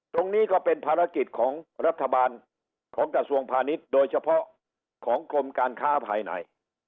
ก็เป็นภารกิจของรัฐบาลของกระทรวงพาณิชย์โดยเฉพาะของกรมการค้าภายใน